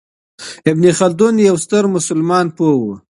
ابن خلدون یو ستر مسلمان پوه و.